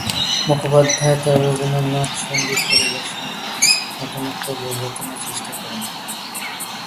মুখোপাধ্যায় তার রবীন্দ্র সংগীত পরিবেশনায় নতুনত্ব প্রবর্তনের চেষ্টা করেছেন।